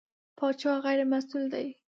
پاچا غېر مسوول دی.